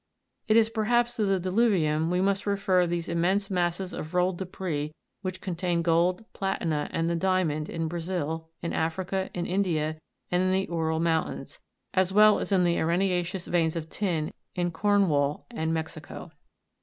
It is perhaps to the dilu'vium we must refer those immense masses of rolled debris which contain gold, platina, and the diamond, in Brazil, in Africa, in India, and in the Oural mountains, as well as the arena'ceous veins of tin in Cornwall arid Mexico.